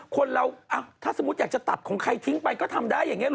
คนเราถ้าสมมุติอยากจะตัดของใครทิ้งไปก็ทำได้อย่างนี้หรอ